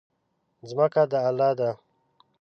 ځمکه د الله ده.